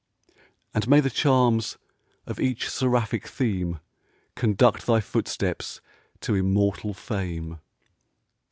And may the charms of each seraphic theme Conduct thy footsteps to immortal fame!